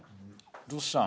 どうしたの？